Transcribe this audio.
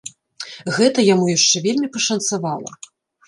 Гэта яму яшчэ вельмі пашанцавала!